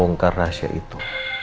membongkar rahasia itu